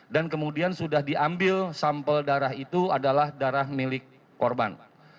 dan kemudian sudah diambil sampel darah itu adalah darah milik korban